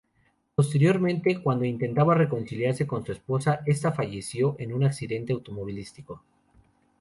Posteriormente, cuando intentaba reconciliarse con su esposa, esta falleció en un accidente automovilístico.